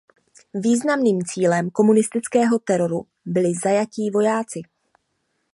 Významným cílem komunistického teroru byli zajatí vojáci.